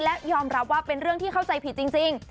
และยอมรับว่าเป็นเรื่องที่เข้าใจผิดจริง